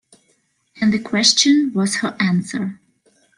And the question was her answer.